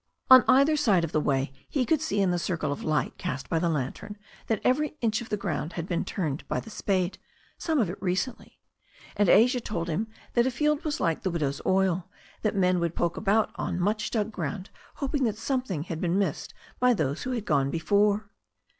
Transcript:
On either side of the way he could see in the circle of light cast by the lantern that every inch of the ground had been turned by the spade, some of it recently; and Asia told him that a field was like the widow's oil, that men would poke about on much dug ground hoping that something had been missed by those who had gone before.